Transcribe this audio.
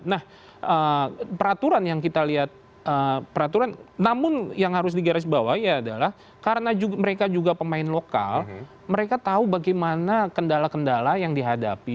nah peraturan yang kita lihat peraturan namun yang harus digarisbawahi adalah karena mereka juga pemain lokal mereka tahu bagaimana kendala kendala yang dihadapi